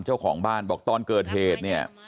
เจ้าของบ้านบอกตอนเกิดเหตุเนี่ย